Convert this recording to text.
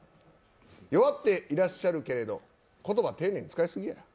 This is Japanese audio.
弱っていらっしゃるけれど、言葉、丁寧に使いすぎや。